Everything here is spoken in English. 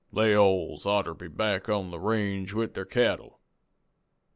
They alls oughter be back on the range with their cattle.